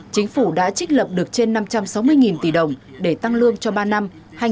chính phủ đã trích lập được trên năm trăm sáu mươi tỷ đồng để tăng lương cho ba năm hai nghìn hai mươi bốn hai nghìn hai mươi sáu